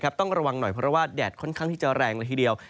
ต้องระวังหน่อยเพราะว่าแดดค่อนข้างที่จะแรงละทีเดียว